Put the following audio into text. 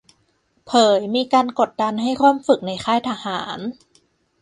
เผยมีการกดดันให้ร่วมฝึกในค่ายทหาร